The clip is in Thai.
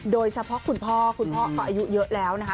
โดยเฉพาะคุณพ่อคุณพ่อเขาอายุเยอะแล้วนะคะ